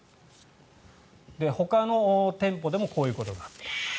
ほかの店舗でもこういうことがあった。